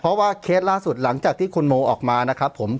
เพราะว่าเคสล่าสุดหลังจากที่คุณโมออกมานะครับผม